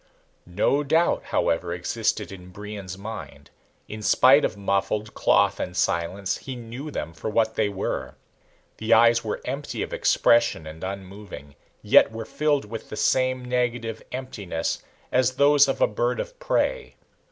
No doubt, however, existed in Brion's mind. In spite of muffled cloth and silence, he knew them for what they were. The eyes were empty of expression and unmoving, yet were filled with the same negative emptiness as those of a bird of prey.